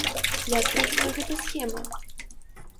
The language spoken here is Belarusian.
Як працуе гэта схема?